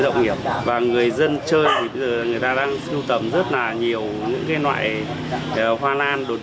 động và người dân chơi thì bây giờ người ta đang sưu tầm rất là nhiều những cái loại hoa lan đột